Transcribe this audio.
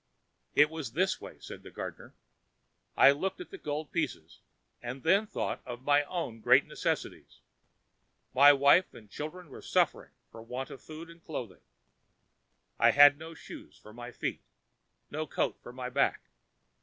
"It was this way," said the gardener: "I looked at the gold pieces, and then thought of my own great necessities. My wife and children were suffering from the want of food and clothing. I had no shoes for my feet, no coat for my back.